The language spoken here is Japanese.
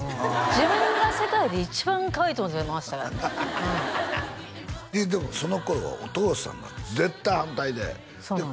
自分が世界で一番かわいいと思ってましたからねでもその頃はお父さんが絶対反対でそうなんです